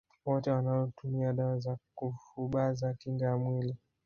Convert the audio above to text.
Wote wanaotumia dawa za kufubaza kinga ya mwili